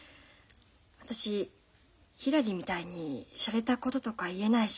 私ひらりみたいにしゃれたこととか言えないし